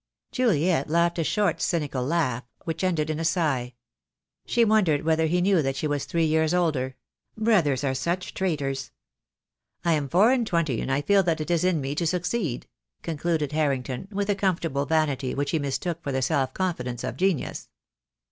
Juliet laughed a short cynical laugh, which ended in a sigh. She wondered whether he knew that she was three years older. Brothers are such traitors. "I am four and twenty, and I feel that it is in me to succeed," concluded Harrington, with a comfortable vanity which he mistook for the self confidence of genius.